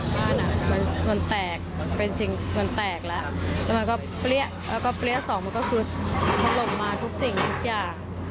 บ้านอ่ะมันแตกมันเป็นสิ่งมันแตกแล้วแล้วมันก็เปรี้ยแล้วก็เปรี้ยสองมันก็คือมันหลบมาทุกสิ่งทุกอย่าง